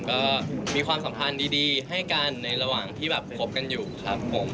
ก็มีความสัมพันธ์ดีให้กันในระหว่างที่แบบคบกันอยู่ครับผม